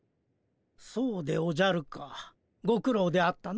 そうでおじゃるかご苦ろうであったの。